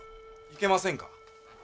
いけませんか？